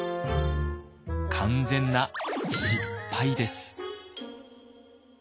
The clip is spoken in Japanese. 完全な失敗です。